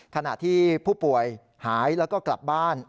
ขณะที่ผู้ป่วยหายแล้วก็กลับบ้าน